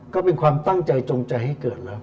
ก็เป็นความตั้งใจจงใจให้เกิดแล้ว